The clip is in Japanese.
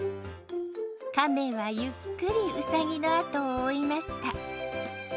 かめはゆっくりうさぎのあとを追いました。